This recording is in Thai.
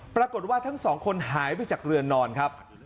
ปรากฏว่าทั้งสองคนหายไปจากเรือนนอนครับ